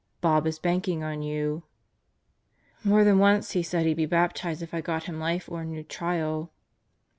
Bob is banking on you. ..." "More than once he said he'd be baptized if I got him life or a new trial."